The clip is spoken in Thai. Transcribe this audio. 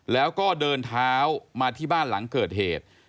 แล้วก็เดินเท้ามาที่บ้านหลังเกิดเหตุ